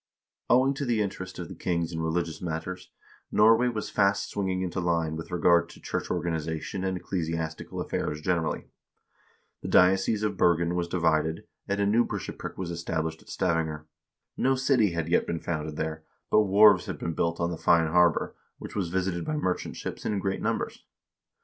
Owing to the interest of the kings in religious matters, Norway was fast swinging into line with regard to church organization and ecclesiastical affairs generally. The diocese of Bergen was divided, and a new bishopric was established at Stavanger. No city had yet been founded there, but wharves had been built on the fine harbor, which was visited by merchant ships in great numbers.